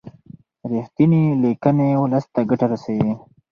رښتینې لیکنې ولس ته ګټه رسوي.